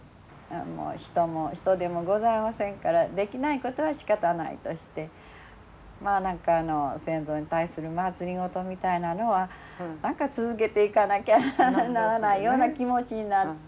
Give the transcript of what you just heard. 人手もございませんからできないことはしかたないとしてまあ先祖に対する政みたいなのは何か続けていかなきゃならないような気持ちになって。